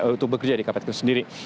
untuk bekerja di kpk sendiri